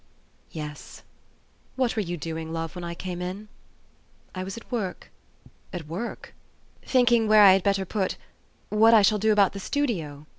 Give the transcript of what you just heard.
Yes. What were you doing love, when I came in? " "I was at work." "At work?" " Thinking where I had better put what I shall do about the studio?